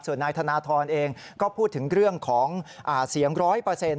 ส่วนนายธนทรเองก็พูดถึงเรื่องของเสียงร้อยเปอร์เซ็นต